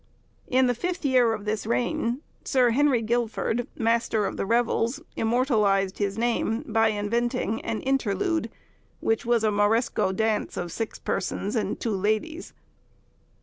In the fifth year of this reign, Sir Harry Guildford, master of the revels, immortalised his name by inventing an interlude, in which was a moresco dance of six persons and two ladies.